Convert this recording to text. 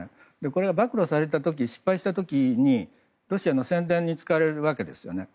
これは暴露された時失敗した時にロシアの宣伝に使われるわけですね。